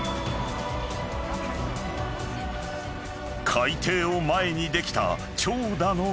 ［開廷を前にできた長蛇の列］